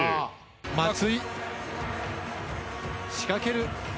松井仕掛ける。